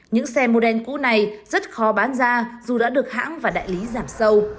những xe mô đen cũ này rất khó bán ra dù đã được hãng và đại lý giảm sâu